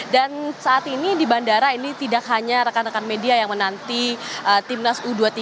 dan saat ini di bandara ini tidak hanya rekan rekan media yang menanti timnas u dua puluh tiga